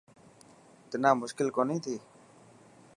تنا مشڪل ڪوني ٿي.